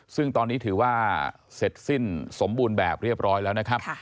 ซึ่งตอนนี้ถือว่าเสร็จสิ้นสมบูรณ์แบบเรียบร้อยแล้วนะครับ